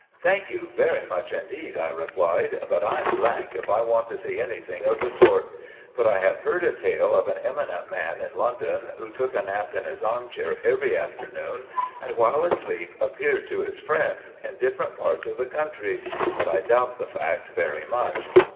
"Thank you very much indeed," I replied, "but I'm ⸺ if I want to see anything of the sort; but I have heard a tale of an eminent man in London who took a nap in his armchair every afternoon, and while asleep appeared to his friends in different parts of the country, but I doubt the fact very much."